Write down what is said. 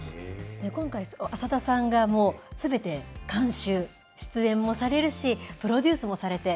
今回、浅田さんがもうすべて監修、出演もされるし、プロデュースもされて。